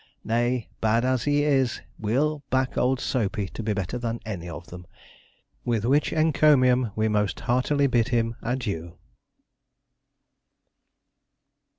Nay, bad as he is, we'll back old Soapey to be better than any of them, with which encomium we most heartily bid him ADIEU.